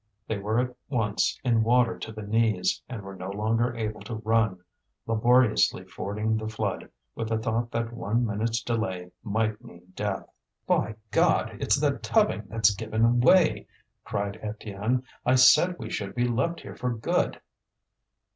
They were at once in water to the knees, and were no longer able to run, laboriously fording the flood with the thought that one minute's delay might mean death. "By God! it's the tubbing that's given way," cried Étienne. "I said we should be left here for good."